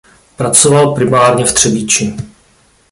Pracoval primárně v Třebíči.